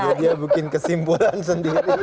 jadi dia bikin kesimpulan sendiri